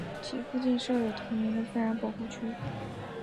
其附近设有同名的自然保护区。